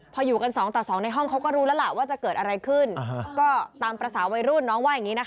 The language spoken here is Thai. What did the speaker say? พออยู่กันสองต่อสองในห้องเขาก็รู้แล้วล่ะว่าจะเกิดอะไรขึ้นก็ตามภาษาวัยรุ่นน้องว่าอย่างนี้นะคะ